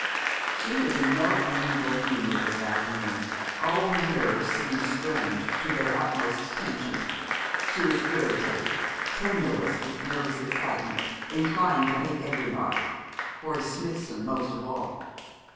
She was in no amiable humour this afternoon. All her nerves seemed strained to their utmost tension. She was irritated, tremulous with nervous excitement, inclined to hate everybody, Horace Smithson most of all.